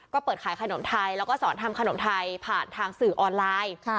ก็เปิดขายขนมไทยแล้วก็สอนทำขนมไทยผ่านทางสื่อออนไลน์